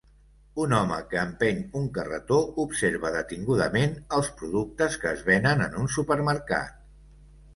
Un home que empeny un carretó observa detingudament els productes que es venen en un supermercat.